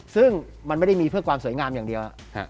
ซึ่งมันไม่ได้มีเพื่อความสวยงามอย่างเดียว